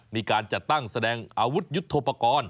มีการจัดตั้งแสดงอาวุธยุทธโปรกรณ์